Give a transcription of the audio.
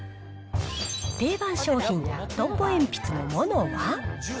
定番商品、トンボ鉛筆のＭＯＮＯは。